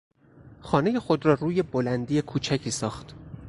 خانهی خود را روی بلندی کوچکی ساخت.